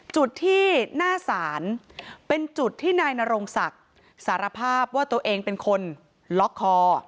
จุดที่หน้าศาลเป็นจุดที่นายนรงศักดิ์สารภาพว่าตัวเองเป็นคนล็อกคอ